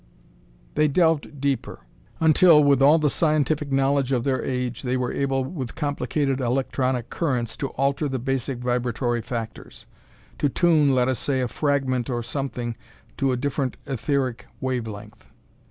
They delved deeper, until, with all the scientific knowledge of their age, they were able with complicated electronic currents to alter the Basic Vibratory Factors; to tune, let us say, a fragment or something to a different etheric wave length.